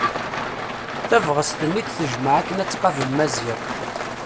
Tabɣest-nni i d-tejmeɛ akken ad tqabel Maziɣ.